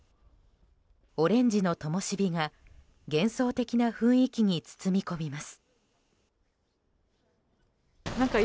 オレンジのともしびが幻想的な雰囲気に包みこみます。